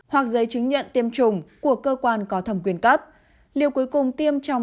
hoặc giấy chứng nhận tiêm chủng của cơ quan có thẩm quyền cấp liệu cuối cùng tiêm trong